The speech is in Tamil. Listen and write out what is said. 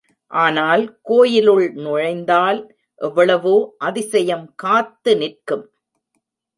ஆனால் கோயிலுள் நுழைந்தால் எவ்வளவோ அதிசயம் காத்து நிற்கும்.